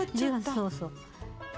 そうそう。